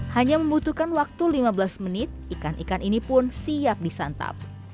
hanya membutuhkan waktu lima belas menit ikan ikan ini pun siap disantap